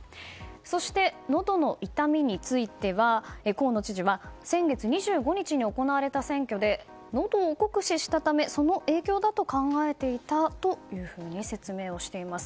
そして、のどの痛みについては河野知事は先月２５日に行われた選挙でのどを酷使したためその影響だと考えていたというふうに説明をしています。